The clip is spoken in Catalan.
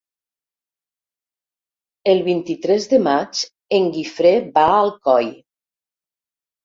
El vint-i-tres de maig en Guifré va a Alcoi.